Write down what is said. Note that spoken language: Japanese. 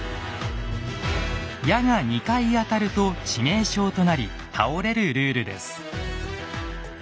矢が２回当たると致命傷となり倒れるルールです。